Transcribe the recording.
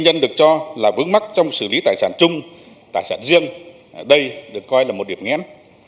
đây được coi là một điểm nghen